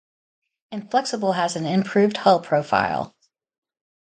Inflexible has an improved hull profile.